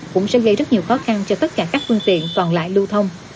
cũng sẽ gây rất nhiều khó khăn cho tất cả các phương tiện còn lại lưu thông